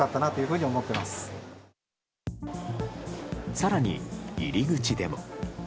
更に、入り口でも。